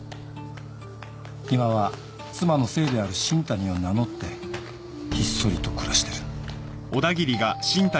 今は妻の姓である新谷を名乗ってひっそりと暮らしてる。